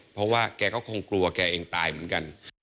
เพราะว่าแกก็คงกลัวแกเองตายเหมือนกัน